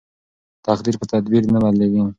تقدیر په تدبیر نه بدلیږي.